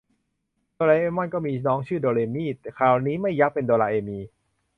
โดราเอมอนก็มีน้องชื่อโดเรมี คราวนี้ไม่ยักเป็นโดราเอมี